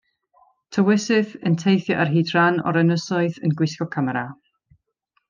Tywysydd yn teithio ar hyd rhan o'r Ynysoedd yn gwisgo camera.